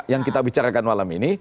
yang kita bicarakan malam ini